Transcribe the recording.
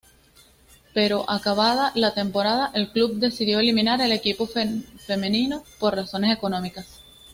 Pero acabada la temporada el club decidió eliminar el equipo femenino por razones económicas.